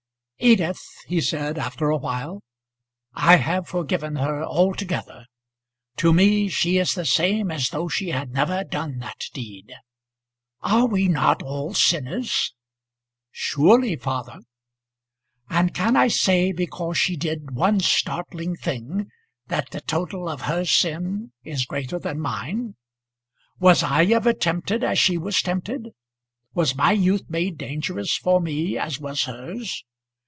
"Edith," he said, after a while, "I have forgiven her altogether. To me she is the same as though she had never done that deed. Are we not all sinners?" "Surely, father." "And can I say because she did one startling thing that the total of her sin is greater than mine? Was I ever tempted as she was tempted? Was my youth made dangerous for me as was hers?